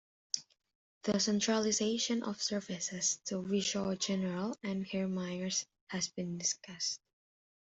The centralisation of services to Wishaw General and Hairmyres has been discussed.